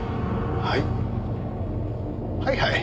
はい。